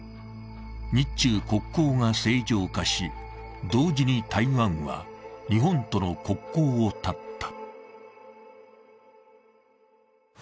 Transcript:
日中国交が正常化し、同時に台湾は日本との国交を断った。